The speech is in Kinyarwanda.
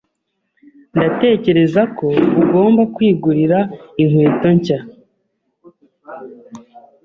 Ndatekereza ko ugomba kwigurira inkweto nshya.